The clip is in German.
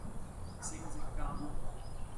Sind Sie krank?